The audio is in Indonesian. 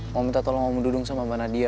mau minta tolong om dudung sama mba nadia